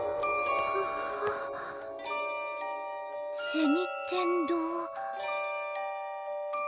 銭天堂。